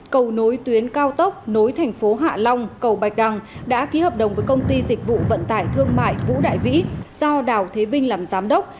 cầu nối tuyến cao tốc nối thành phố hạ long cầu bạch đăng đã ký hợp đồng với công ty dịch vụ vận tải thương mại vũ đại vĩ do đào thế vinh làm giám đốc